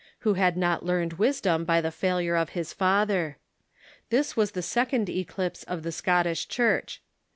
who had not learned wisdom by the failure of his father. This was the second ecliijse The End of ^^^ y Scottish Church.